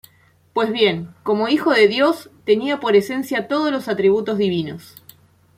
Pues bien, como Hijo de Dios, tenía por esencia todos los atributos divinos.